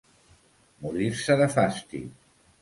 Morir-se de fàstic.